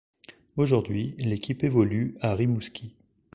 Aujourd'hui, l'équipe évolue à Rimouski.